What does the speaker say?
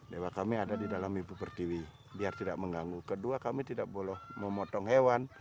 dewa kami ada di dalam ibu pertiwi biar tidak mengganggu kedua kami tidak boleh memotong hewan